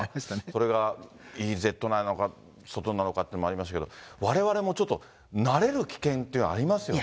それがＥＥＺ内なのか、外なのかってのもありましたけど、われわれもちょっと、慣れる危険というのはありますよね。